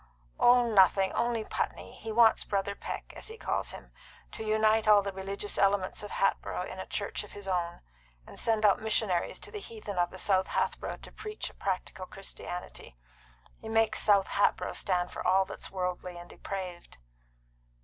"Oh, nothing! Only Putney. He wants Brother Peck, as he calls him, to unite all the religious elements of Hatboro' in a church of his own, and send out missionaries to the heathen of South Hatboro' to preach a practical Christianity. He makes South Hatboro' stand for all that's worldly and depraved."